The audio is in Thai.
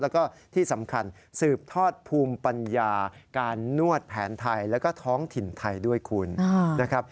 แล้วก็ที่สำคัญสืบทอดภูมิปัญญาการนวดแผนไทยแล้วก็ท้องถิ่นไทยด้วยคุณนะครับ